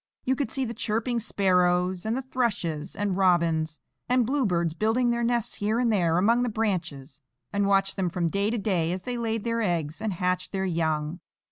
You could see the chirping sparrows and the thrushes and robins and bluebirds building their nests here and there among the branches, and watch them from day to day as they laid their eggs and hatched their young.